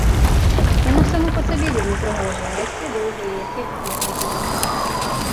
Яно само па сабе вельмі прыгожае, расце доўга і эфектна выглядае.